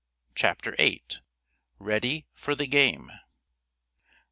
CHAPTER VIII. READY FOR THE GAME.